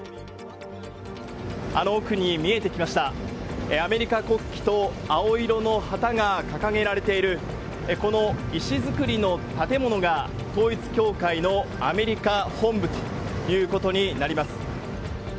あの奥に見えてきました、アメリカ国旗と青色の旗が掲げられている、この石造りの建物が統一教会のアメリカ本部ということになります。